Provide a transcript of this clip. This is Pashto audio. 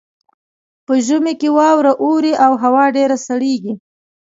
په ژمي کې واوره اوري او هوا ډیره سړیږي